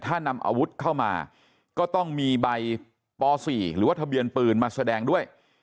ถ้านำอาวุธเข้ามาก็ต้องมีใบป๔หรือว่าทะเบียนปืนมาแสดงด้วย